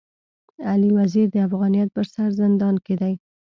علي وزير د افغانيت پر سر زندان کي دی.